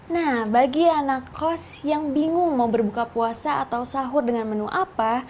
nah bagi anak kos yang bingung mau berbuka puasa atau sahur dengan menu apa